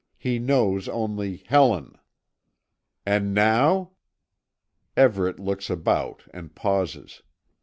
He knows only Helen. "And now?" Everet looks about and pauses.